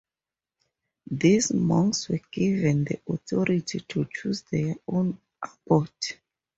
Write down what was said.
These monks were given the authority to choose their own abbot.